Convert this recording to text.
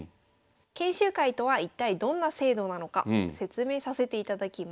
研修会とは一体どんな制度なのか説明させていただきます。